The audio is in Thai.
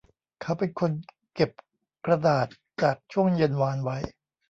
เขาเป็นคนเก็บกระดาษจากช่วงเย็นวานไว้